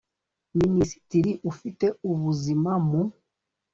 Minisitiri ufite ubuzima mu